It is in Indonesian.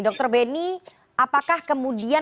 dr benny apakah kemudian